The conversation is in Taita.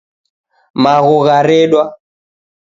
Magho gharedwa